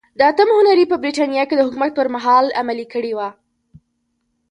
د اتم هنري په برېټانیا کې د حکومت پرمهال عملي کړې وه.